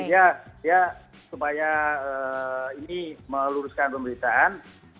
jadi dia supaya ini meluruskan pemberitaan